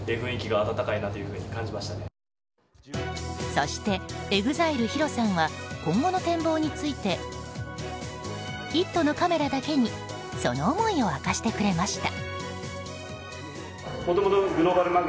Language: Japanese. そしてＥＸＩＬＥＨＩＲＯさんは今後の展望について「イット！」のカメラだけにその思いを明かしてくれました。